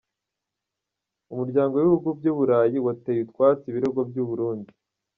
Umuryango w’Ibihugu by’Uburayi wateye utwatsi ibirego by’u Burundi.